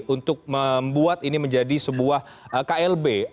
untuk membuat ini menjadi sebuah klb